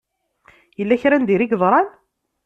Yella kra n diri i yeḍṛan?